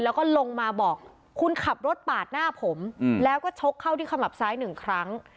แล้วก็ลงมาบอกคุณขับรถปาดหน้าผมแล้วก็ชกเข้าที่ขมับซ้ายหนึ่งครั้ง